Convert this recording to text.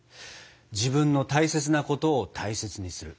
自分の大切なことを大切にする。